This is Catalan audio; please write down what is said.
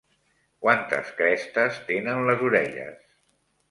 Quantes crestes tenen les orelles?